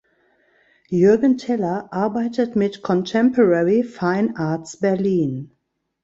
Juergen Teller arbeitet mit Contemporary Fine Arts Berlin.